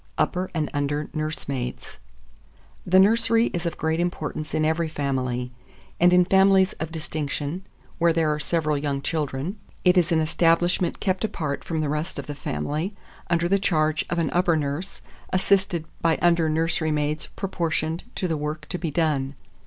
UPPER AND UNDER NURSEMAIDS. 2397. The nursery is of great importance in every family, and in families of distinction, where there are several young children, it is an establishment kept apart from the rest of the family, under the charge of an upper nurse, assisted by under nursery maids proportioned to the work to be done.